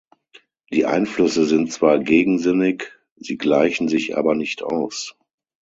Die Einflüsse sind zwar gegensinnig, sie gleichen sich aber nicht aus.